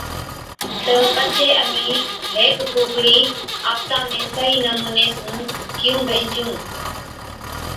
تہ پڇي اَمهِين هيڪ ڪُوڪڙِي آپتان ۾ صحِيح نموني سُون ڪِيُون بيهنچُون؟